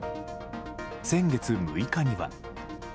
先月６日には。